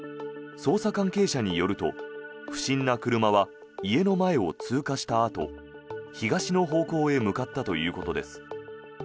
捜査関係者によると不審な車は家の前を通過したあと東の方向へ向かったということです。